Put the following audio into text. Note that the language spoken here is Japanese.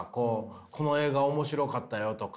この映画面白かったよとか。